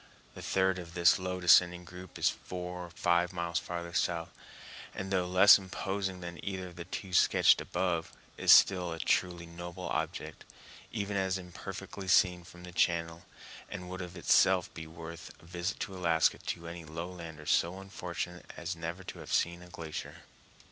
The third of this low descending group is four or five miles farther south, and, though less imposing than either of the two sketched above, is still a truly noble object, even as imperfectly seen from the channel, and would of itself be well worth a visit to Alaska to any lowlander so unfortunate as never to have seen a glacier.